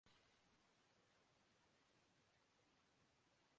اِک تیری دید چِھن گئی مجھ سے